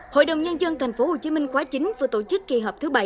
hội đồng nhân dân tp hcm quá chính vừa tổ chức kỳ họp thứ bảy